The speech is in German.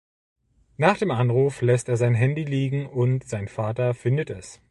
Nach dem Anruf lässt er sein Handy liegen und sein Vater findet es.